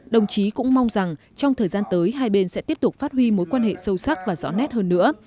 đồng chí cũng mong rằng trong thời gian tới hai bên sẽ tiếp tục phát huy mối quan hệ sâu sắc và rõ nét hơn nữa